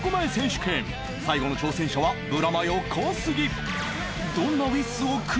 最後の挑戦者はブラマヨ小杉